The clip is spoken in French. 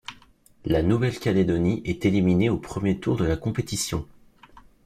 La Nouvelle-Calédonie est éliminée au premier tour de la compétition.